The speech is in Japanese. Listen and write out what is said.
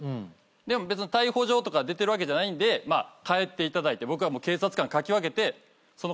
でも別に逮捕状とか出てるわけじゃないんで帰っていただいて僕はもう警察官かき分けてその方